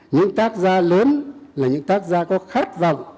những tác gia lớn là những tác gia có khát vọng